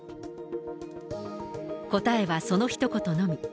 答えはそのひと言のみ。